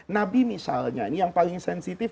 nabi misalnya ini yang paling sensitif